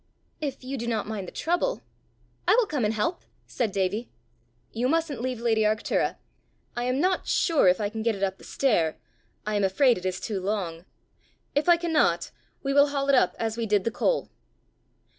"If you do not mind the trouble!" "I will come and help," said Davie. "You mustn't leave lady Arctura. I am not sure if I can get it up the stair; I am afraid it is too long. If I cannot, we will haul it up as we did the coal."